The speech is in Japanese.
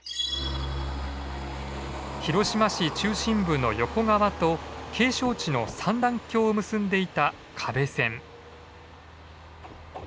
広島市中心部の横川と景勝地の三段峡を結んでいた可部線。